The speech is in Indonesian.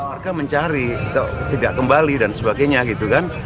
kalau orang mencari tidak kembali dan sebagainya gitu kan